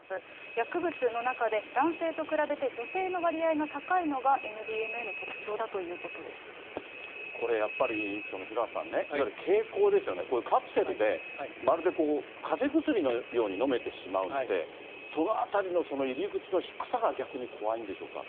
薬物の中で、男性と比べて女性の割合が高いのがＭＤＭＡの特徴だということでこれやっぱり、廣畑さんね、経口ですよね、カプセルで、まるでかぜ薬のように飲めてしまうので、そのあたりのその入り口の低さが逆に怖いんでしょうか。